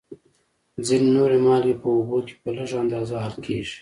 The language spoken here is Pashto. ځینې نورې مالګې په اوبو کې په لږ اندازه حل کیږي.